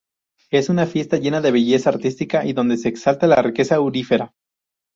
Es una fiesta llena de belleza artística y donde se exalta la riqueza aurífera.